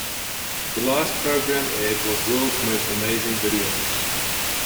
The last program aired was "World's Most Amazing Videos".